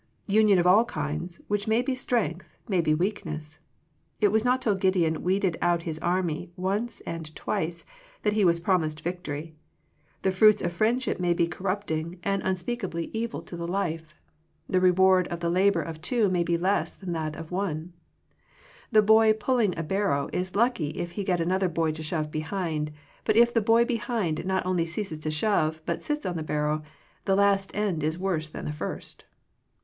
Union of all kinds, which may be strength, may be weakness. It was not till Gideon weeded out his army, once and twice, that he was promised victory. The fruits of friend ship may be corrupting^ and unspeakably 62 Digitized by VjOOQIC THE FRUITS OF FRIENDSHIP evil to the life. The reward of the labor of two may be less than that of one. The boy pulling a barrow is lucky if he get another boy to shove behind, but if the boy behind not only ceases to shove, but sits on the barrow, the last end is worse than the first.